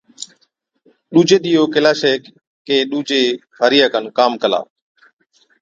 ڏُوجي ڏِيئو ڪيلاشَي هيڪي ڏُوجي هارِيئا کن ڪام ڪلا،